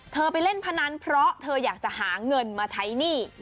ไปเล่นพนันเพราะเธออยากจะหาเงินมาใช้หนี้